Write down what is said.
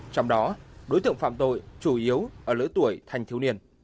trong đó đối tượng phạm tội chủ yếu ở lưỡi tuổi thành thiếu niên